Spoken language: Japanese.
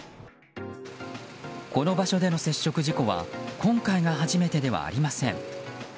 この場所での接触事故は今回が初めてではありません。